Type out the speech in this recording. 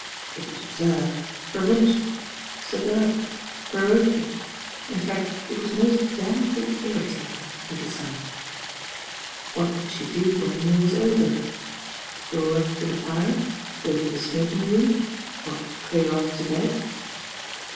It was absurd, provin cial, suburbrn, parochial, in fact it was most damnably irritating, he decided. What would she do when the med was over? Draw up to the fire, go to the smoking room, or clear off to bed?